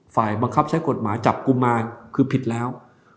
บังคับใช้กฎหมายจับกุมารคือผิดแล้ว